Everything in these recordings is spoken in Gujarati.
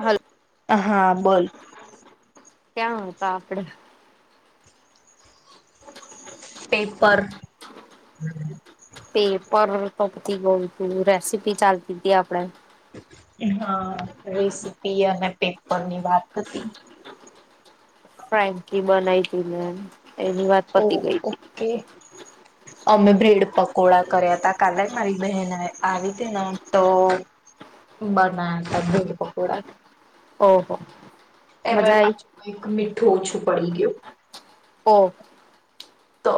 હલ અ હા બોલ ક્યાં હતા આપડે પેપર હમ પેપર તો પતીથી ગયું હતું રેસીપી ચાલતી હતી આપણે હા રેસીપી અને પેપર ની વાત હતી ફ્રાન્કી બનાવીતી મે એની વાત પતી ઓ ગઈ હતી ઓકે. અમે બ્રેડ પકોડા કર્યા તા કાલે મારી બહેને આવી હતી ને તો બનાયા હતા બ્રેડ પકોડા ઓહો મજા એમાં આઈ પાછું કઈક મીઠું ઓછું પડી ગયું ઓ તો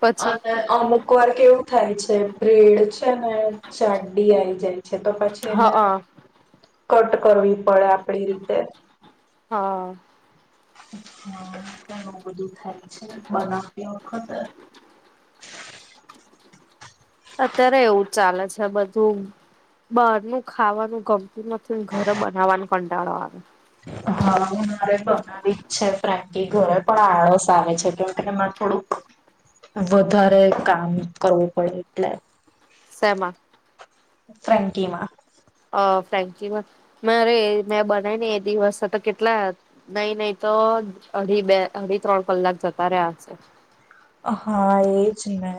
પછી અને અમુક વાર કેવું થાય છે બ્રેડ છે ને જાડી આઈ જાય છે તો પછી એને હા કટ કરવી પડે આપડી રીતે હા અ ઘણું બધું થાય છે, બનાવતી વખત અત્યારે એવું ચાલે છેબધું, બહારનું ખાવાનું ગમતું નથી ઘરે બનાવવાનું કંટાળો આવે હા, હું મારે બનાવી જ છે ફ્રેન્કી ઘરે પણ આળસ આવે છે, કેમકે એરે થોડુંક વધારે કામ કરવું પડે એટલે શેમાં ફ્રેન્કીમાં અ, ફ્રેન્કી માં મે અવે મેં બનાવી ને એક દિવસ તો કેટલા નહીં, નહી તો અઢી બે, અઢી, ત્રણ કલાક જતા રહ્યા હશે હા, એજ ને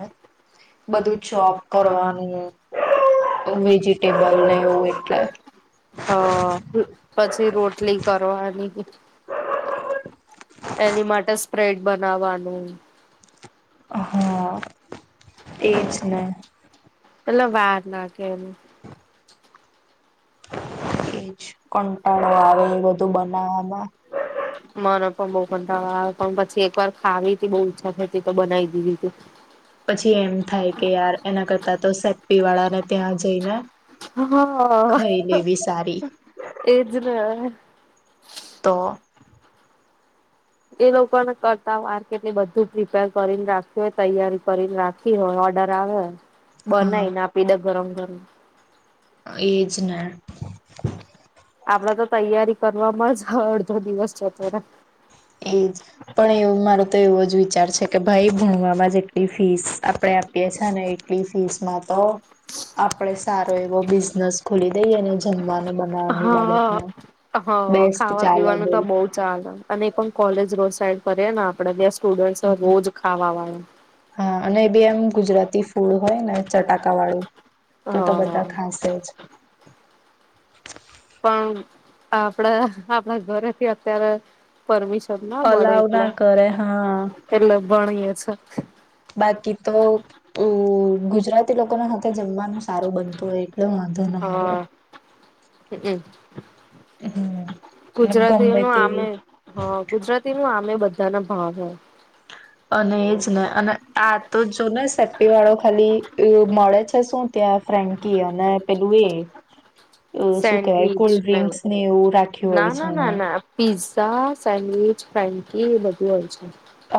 બધું ચોપ કરવાનું વેજીિટેબલને એવું એટલે હ, પછી રોટલી કરવાની એની માટે સ્પ્રેડ બનાવાનું હહા એ જ ને એલા વાર ના કે એજ કંટાળો આવે એ બધું બનાવવામાં મને પણ બહુ કંટાડા આવે પણ પછી એક વાર ખાવી તી બહુ ઈચ્છા થઇતી તો બનાવી દીધી તી મેં તો સેપ્પી વાળા ને ત્યાં જઈ ને હા સારી એજ હમ તો એ લોકોને કરતા વાર કેટલી બધું પ્રિપેર કરીને રાખી હોય તૈયારી કરીને રાખી હોય ઓર્ડર આવે હા બનાઈને આપીદે ગરમ ગરમ એજને આપણા તો તૈયારી કરવાવામાં અડધો દિવસ જતો રહે એજ પણ એવું મારો તો એવો જ વિચાર છે કે ભાઈ ભણવામાં જેટલી ફીસ આપણેે આપીએ છે ને એટલી ફીસ માં તો આપડે સારો એવો બિઝનેસ ખોલી દઈને જમવાનો હા હા બેસ્ટ ખાવા ચાલે પીવાનું તો બોલ બહુ ચાલે અને પણ કોલેજ રોડ સાઈડ કરીએ ને આપણે બેસ્ટ હા અને બી એમ ગુજરાતી ફૂડ હોય ને ચટાકાવાળું તો તો હા બધા ખાશે જ [unintelligible] પણ આપડા આપણા ઘરેથી અત્યારે પરમિશ ના મળે અલાવ એટલે ના કરે હા એટલે ભણીએ છે. હ બાકી તો ગુજરાતી લોકોના હાથે જમવાનું સારું બનતું હોય. એટલે વાંધો ના આવે હા હ હમ ગુજરાતી ગમે નું આમે તેવી હ ગુજરાતી નું આમે અમે બધાના ભાવ હો અને એજ ને અને આ તો જો ને સેફ્ટી વાળો ખાલી મળે છે શું ત્યાં ફ્રેન્કી અને પેલું એ શું કેહેવાય સેન્ડવિચ કોલ્ડ ડ્રિંક્સ ને એવું રાખ્યું ના હોય છે ના એને ના ના પિ્ઝા સેન્ડવીચ ફ એ બધું હોય છે.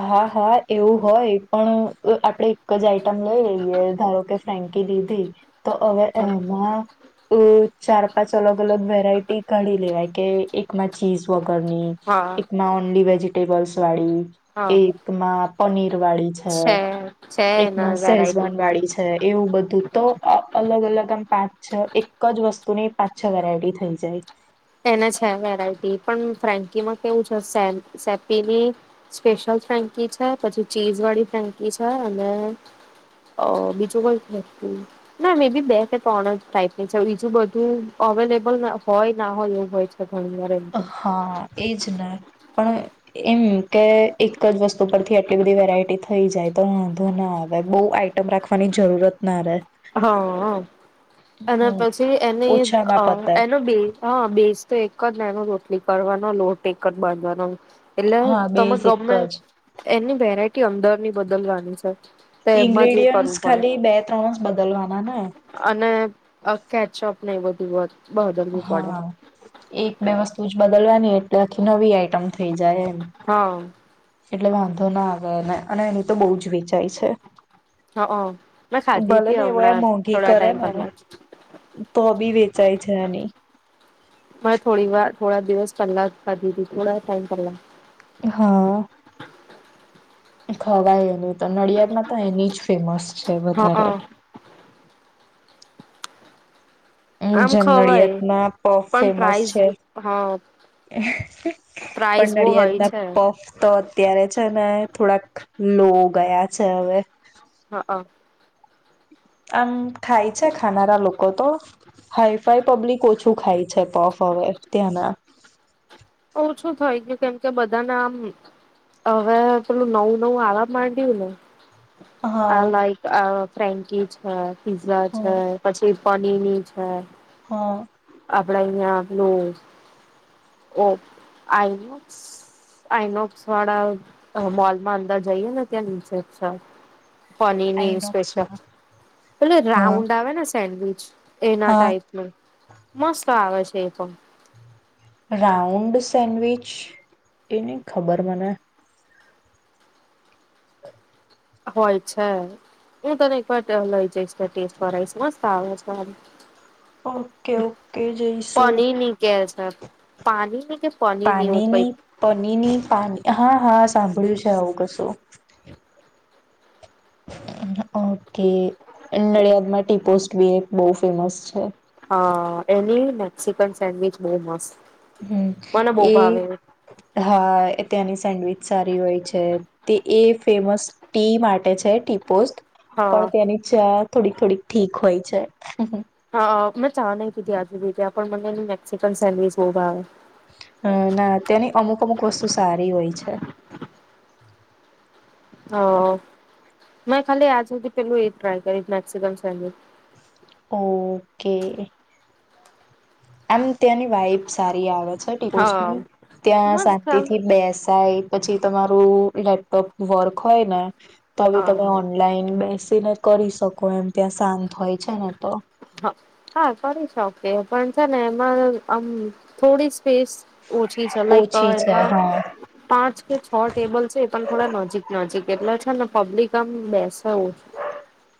હા હા એવું હોય પણ આપણેે એક જ આઈટમ લઈ લઈએ ધારો કે ફ્રેન્કી લીધી તો હવે હા એમાં અ ચાર પાંચ અલગ અલગ વેરાયટી કાઢી લેવાય કે એકમાં ચીઝ વગ કરની હા એકમાં ઓન્લી વેજી ટેબલ્સ વાળી હા. એકમાં પનીર વાળી છે છે એના એકમાં વેરાયટી સેઝવાન વાળી છે એવું બધું તો અલગ અલગ આમ પાંચ છ એક જ વસ્તુની પાંચ છ વેરાયટી થઈ જાય એના છે વેરાયટી પણ ફ્રેન્કીમાં કેવું છે સે સે્પીની સ્પેશિયલ ફ્રેન્કી છે પછી ચીઝ વાળી ફ્રેન્કી છે અને બીજું કોઈ ના મે બી બે કે ત્રણ જ ટાઈપની છે બીજું બધું અવેલેબલ હોય ના હોય એવું હોય છે. ઘણી વાર એમ તો હા એજ ને પણ એમ કે એક જ વસ્તુ ઉપરથી એટલી બધી વેરાયટી થઈ જાય તો વાંધો ના આવે બહુ આઈટમ રાખવાની જરૂરત ના રહે હા અને હમ પછી એની ઓછામાં પતે એનો બે હા બેઝ તો એક એક જ નાનો રોટલી કરવાનો લોટટે જ બાંધવાનો એલે હા તમે બેઝ ગમે એક જ એની વેરાયટી અંદર ની બદલવાની છે. તો એમાં જ એ કરવું ઇન્ગ્રીડિયન્ટ પડે ખાલી બે ત્રણ જ બદલવાના ને અને અ કેચપ ન બધી બ હા એક બે વસ્તુ જ બદલવા એટલે આખી નવી આઈટમ થઈ જાય એમ હા એટલે વાંધો ના આવે એને અને એની તો બહુ જ વેચાય છે. હા મેં ખાધી ભલે હતી ને એવો એ હમણાં મોંઘી થોડા કરે ટાઈમ ને પહેલા જ. તો બી વેચાય છે એની મેં થોડી વાર થોડા દિવસ પલ્લાધીથી થોડા ટાઈમ પલા હા ખવાય એની તો નડિયાદ માં તો એની જ ફેમસ છે વધારે હા આમ જેમ નડિયાદ ખવાય ના પફ પણ ફેમસ પ્રાઇઝ છે, હા પ્રાઇઝ પણ બહુ નડિયાદ હોય ના છે પફ તો અત્યારે છે ને થોડાક લો ગયા છે હવે હઅ આમ ખાય છે ખાનારા લોકો તો હાઈ ફાઈ પબ્લિક ઓછું ખાય છે પફ હવે ત્યાંના ઓછું થઈ ગયું કેમ કે બધાને આમ હવે પેલું નવું નવું આવવા માંડય્યું ને હા હ લાઈક ફ્રેન્કી છે પિઝા હ છે, પછી પનીની છે હા બનાઈયા લો ઓ, આઈનોક્સ, આઈનોક્સ વાળા મોલમાં અંદર જઈએ ને ત્યાં નીચે જ છે પનીરની સ્પેશિયલ, આઈનોક્સમાં એટલે હા રાઉન્ડ આવે ને સેન્ડવિચ એના હા ટાઈપમાં, મસ્ત આવે છે એ પણ રાઉન્ડ સેન્ડવિચ એને ખબર મને હોય છે હું તને એક વાર ત્યાં લઈ જઈશ ટેસ્ટ કરાઈશ મસ્ત આવે છે. ઓકે ઓકે જઈશુ. પનીરની કે પાણીની. કે પનીરની એવું કઈ પાણીની પનીની પા, હા હા સાંભળ્યું છે આવું કશું. ઓકે, નડિયાદમાં ટી પોસ્ટ ભી એક બહુ ફેમસ છે. હા, એની મેક્સિકન સેન્ડવીચ બહુ મસ્ત. હમ્મ, મને બહુ ભાવે એ હા ત્યાંની સેન્ડવીચ સારી હોય છે તે એ ફેમસ ટી માટે છે ટી પોસ્ટ હા પણ ત્યાની ચા. થોડી થોડી ઠીક હોય છે. હા મેં ચા નહીં પીધી આજ સુધી પણ મને ને મેક્સિકન સેન્ડવિચ બહુ બાવે. ના ત્યાંની અમુક અમુક વસ્તુ સારી હોય છે. હા, મે ખાલી આજ સુધી પેલું એ ટ્રાય કરી મેક્સિકન સેન્ડવિચ. ઓકે. આમ ત્યાંની વાઈભ સારી આવે. ટી હા પોસ્ટની, ત્યાં મસ્ત શાંતિ થી હા બેસાય પછી તમારું લેપટોપ વર્ક હોય ને તમે તમાર ઓનલાઈન બેસ ને કરી શકો એમ ત્યાં શાંત હોય છે ને તો. હ હા, કરી શકે પણ છે ને એમાં આમ થોડી સ્પેસ ઓછી છે લાઈક ઓછી છે એમાં હા પાંચ કે છ ટેબલ છે એ પણ થોડા નજીક નજીક. એટલે છે ને પબ્લિક આમ બેસાવું છે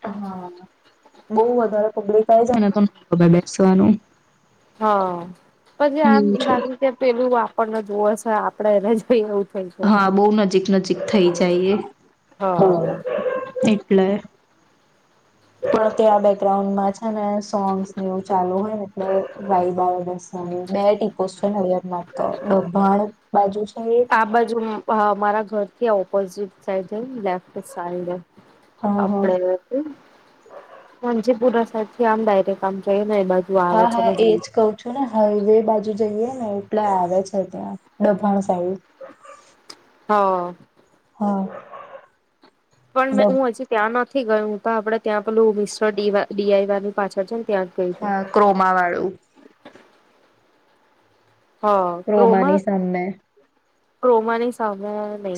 હા, બહ વધારે પબ્લિક આવી જાય ને તો તમાર બેસવાનું હા, પછી આમ એવું છે. લાગે ત્યા પેલું આપપણ નથી [unintelligible] આપડે એને જ [unintelligible] હા, બહુ નજીક નજીક થઈ જાયએ. હા. એટલે પણ ત્યાં બેકગ્રાઉન્ડમાં છે ને સોંગ્સને એવું ચાલુ હોય ને એટલે [unintelligible] બે ટીપોસ છે નડિયાદ માં તો ડાભાણ બાજુ છે એક આ બાજુમાં મારા ઘર થી ઓપોઝિટ સાઈડ જઈ લેફ્ટ સાઈડ, હા હા આપડે એ જે ભીમજીપૂરા સા તેથી આમ ડાયરેક આમ જઈએ. હા, હા એજ કહ છું ને હાઈવે બાજુ જઈએ ને એટલે આવે છે ત્યાં ડાભાણ સાઈડ હા. હા. પણ મે હું હજી ત્યાં ન થી ગયુ તા આપડે ત્યાં પેલું મિસ્ટરડીવા ડીઆઈ વાયની પાછળ છે ને ત્યાં જ ગઈ છું. હા, ક્રોમા વાળું. હા. ક્રોમાની સામમે ક્રોમા ની સામ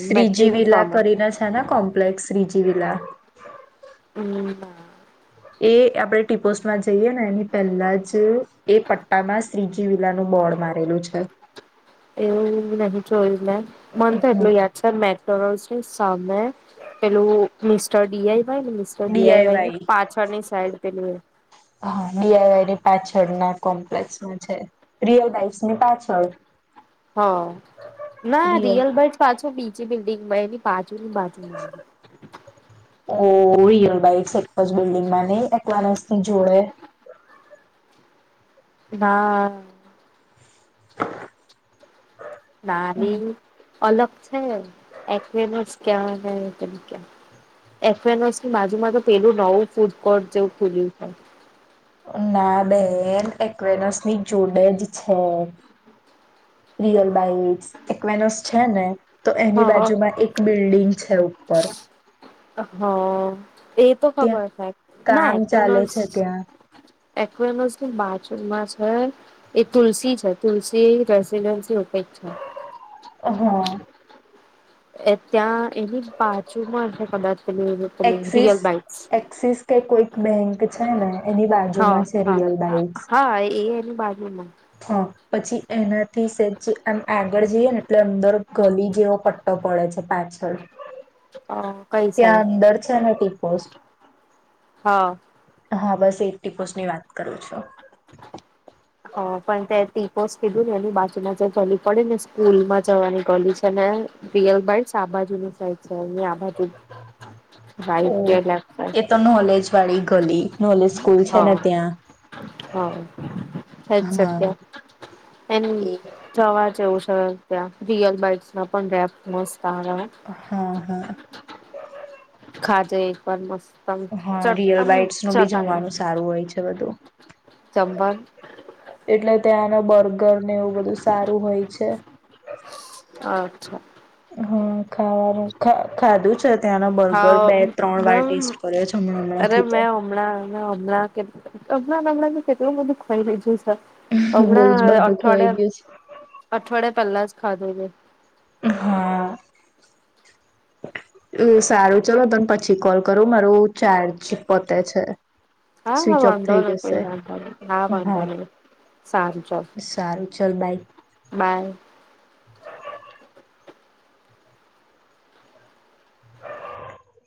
શ્રીજી વિલા કરીને છે ને કોમ્પ્લેક્સ શ્રીજીિવિલા હમ્મ એ આપણે ટીપોસ્ટમાં જઈએ ને એની પહેલા જ એ પટ્ટામાં શ્રીજીવિલાનું બોર્ડ મારેલું છે. એવું નહી જોયું મે મન તો એટલ હમ યાદ છે મેકડોનાલ્સ ની સામેમે પેલો મિસ્ટર ડીઆઈ ડીઆઈવાઈ. સાઈડ પેલું હા, ડીઆઈવાઈની પાછળ ના કોમ્પ લેક્ષમાં છે રિયલ લાઈફસની પાછળ હા, ના રિયલ બટ પાછો ભી જે બિલ્ડિંગમાં એની પાછુંની બાજી ઓ રિયલ [unintelligible] એક જ બિલ્ડિંગમાં નહી એકલાનસ ની જોડે હા. હમ નાની. અલગ છે એકવેનસ ક્યા વે કની ક્યાં એકવેનસ ની બાજુમાં તો પેલું નવું ફૂડ કોર્ટ જે ખુલ્યું છે. ના બેન એકવેનસ ની જોડેજ છે રિયલ બાઇટ એકવેનસ છે ને તો એની બાજુમાં એક બી બિલ્ડિ છે ઉપર. અ હ. એ તો ત્યાં ખબર છે, ના કામ ચાલે એકવેનસ છે ત્યાં એકવેમસ ની બાજુમાં છે એ તુલસી છે તુલસી રેસીડન્સી એવુક કઈ છે. હા. એ ત્યાં એની બાજુમાં છે કદાચ. પેલી પેલી એક્સિસ રિયલ બાઇટ્સ એક્સિસ કે કોઈ બેંક છે ને એની હા બાજુમાં છે હા રિયલ હા બાઇટ્સ હા એ એની બાજુમાં. હા, પછી એનાથી સેજ આમ આગળ જઈએ ને એટલે અંદર ગલી જેવો પટ્ટો પડે છે પાછળ અ કઈ ત્યાં સાઈડ અંદર છે ને ટીપોસ્ટ. હા હા, બસ એ ટીપોસ્ટ ની વાત કરું છું. તો. હ પણ તે ટીપોસ કીધું ને એની બાજુમાં જે ગલી પડી ને સ્કૂલ માં જવાની ગલી છે ને રીયલ બાઇટ્સ આ બાજુની સાઈડ છે અહીંયા આ બાજુ ઓ રાઇટ કે લેફ્ટ સાઇડ. એ તો નોલેજ વાળી ગલી નોલેજ સ્કૂલ છે હા, ને ત્યાં હા, એજ છે હા ત્યાં. એમ એ જવા જેવું ત્યાં રિયલ બાઇટમાં પણ રૅપ મસ્ત આવે હો હા હા ખા જે એક વાર મસ્ હા, રિયલ બાઈટસ નું ભી જમવાનું સારું હોય છે હવે તો ચંબાન ત્યાનો બર્ગર ને એવું બધું સારું હોય છે. અચ્છા. હા, ખાવાનું ખ ખાધું છે ત્યાંનો બર્ગર હા બે ત્રણ વાર મેમ ટેસ્ટ કર્યો છે હમણાં હમણાં થી તો ના હમણાં કે હમણાં નમના થી કેટલું બધુ ખઈ લીધુંશ બહુ હમણા જ બાટો ખોવાઈ ગયો અઠવાડિયા અઠવાડિયા પહેલા જ ખાધો તો હા, સારું ચલો તને પછી કોલ કરું મારું ચાર્જ પતે છે. હા હા સ્વિચ ઓફ વાંધો થઈ નહી જશે. કોઈ વાંધો નહી. હા વાંધો નહી. સારું ચલ. સારું ચલ બાય. બાય.